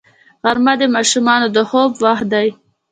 غرمه د ماشومانو د خوب وخت دی